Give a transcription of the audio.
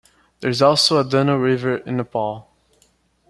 There is also a Danu river in Nepal.